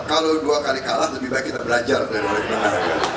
kalau dua kali kalah lebih baik kita belajar dari orang